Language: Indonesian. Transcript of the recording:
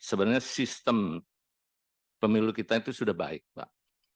sebenarnya sistem pemilu kita itu sudah baik mbak